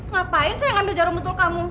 ngapain saya ngambil jarum betul kamu